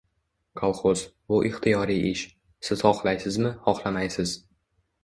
Kolxoz - bu ixtiyoriy ish, siz xohlaysizmi, xohlamaysiz